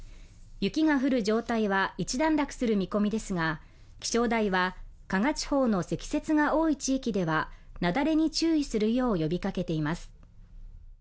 雪が降る状態は一段落する見込みですが気象台は加賀地方の積雪が多い地域では雪崩に注意するよう呼びかけています